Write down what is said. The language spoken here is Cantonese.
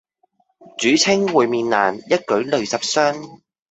主稱會面難，一舉累十觴。